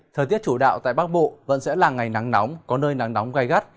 thời tiết chủ đạo tại bắc bộ vẫn sẽ là ngày nắng nóng có nơi nắng nóng gai gắt